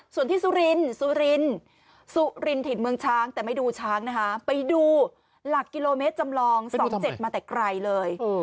ส่วนที่สุรินสุรินสุรินถิ่นเมืองช้างแต่ไม่ดูช้างนะคะไปดูหลักกิโลเมตรจำลอง๒๗มาแต่ไกลเลย